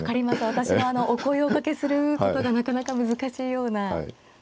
私もお声をおかけすることがなかなか難しいような。